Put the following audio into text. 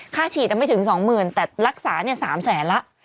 ค่าฉีดจะไม่ถึงสองหมื่นแต่รักษาเนี่ยสามแสนละ